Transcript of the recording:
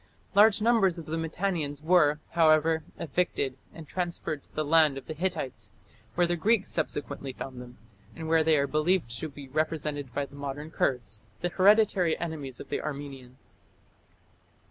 Large numbers of the Mitannians were, however, evicted and transferred to the land of the Hittites, where the Greeks subsequently found them, and where they are believed to be represented by the modern Kurds, the hereditary enemies of the Armenians.